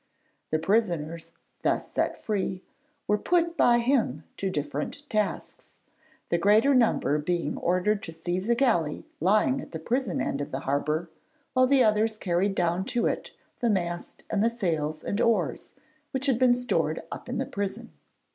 The prisoners, thus set free, were put by him to different tasks, the greater number being ordered to seize a galley lying at the prison end of the harbour, while the others carried down to it the mast and the sails and oars which had been stored up in the prison.